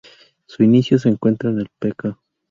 Su inicio se encuentra en el p.k.